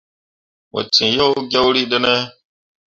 Mo ciŋ yo gyõrîi ɗine.